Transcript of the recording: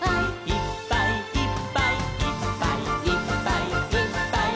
「いっぱいいっぱいいっぱいいっぱい」